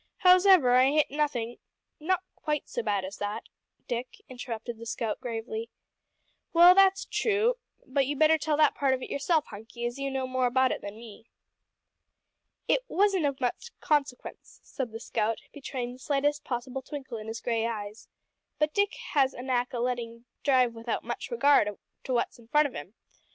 Hows'ever, I hit nothin' " "Not quite so bad as that, Dick," interrupted the scout gravely. "Well, that's true, but you better tell that part of it yourself, Hunky, as you know more about it than me." "It wasn't of much consequence," said the scout betraying the slightest possible twinkle in his grey eyes, "but Dick has a knack o' lettin' drive without much regard to what's in front of him.